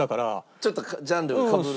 ちょっとジャンルがかぶる。